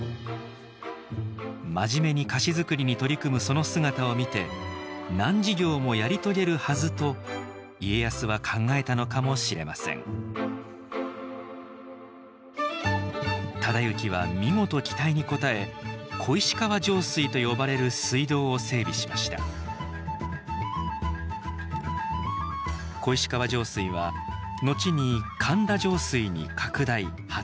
真面目に菓子づくりに取り組むその姿を見て難事業もやり遂げるはずと家康は考えたのかもしれません忠行は見事期待に応え「小石川上水」と呼ばれる水道を整備しました小石川上水は後に「神田上水」に拡大・発展したと考えられています。